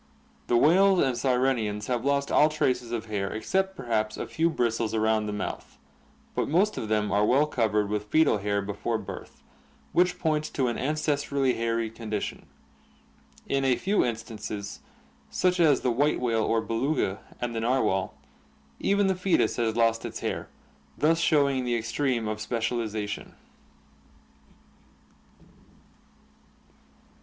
The whales and sirenians have lost all traces of hair except perhaps a few bristles around the mouth, but most of them are well covered with foetal hair before birth, which points to an ancestrally hairy condition. In a few instances, such as the white whale or Beluga and the narwhal, even the foetus has lost its hair, thus showing the extreme of specializa tion.